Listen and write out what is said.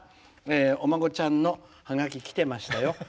お孫ちゃんのはがききてましたよ。